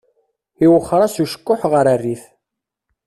Iwexxer-as acekkuḥ ɣer rrif.